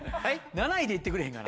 ７位で行ってくれへんかな？